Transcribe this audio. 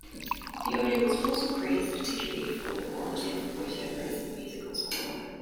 The audio was also praised, particularly the quality of the voice-overs and musical score.